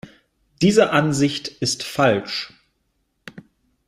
Diese Ansicht ist falsch.